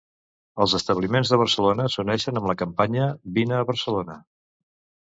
Els establiments de Barcelona s'uneixen amb la campanya Vine a Barcelona.